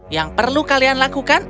yang perlu kalian lakukan